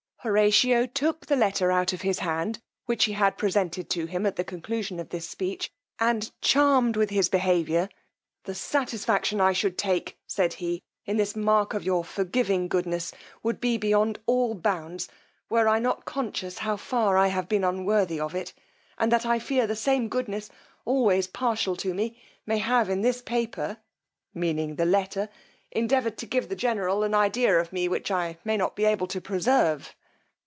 Horatio took the letter out of his hand, which he had presented to him at the conclusion of his speech; and charmed with this behaviour, the satisfaction I should take, said he, in this mark of your forgiving goodness, would be beyond all bounds, were I not conscious how far I have been unworthy of it; and that I fear the same goodness, always partial to me, may have in this paper (meaning the letter) endeavoured to give the general an idea of me which I may not be able to preserve.